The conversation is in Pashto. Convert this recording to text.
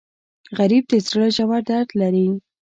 غریب د زړه ژور درد لري